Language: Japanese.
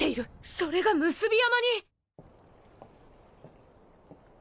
それが産霊山に！？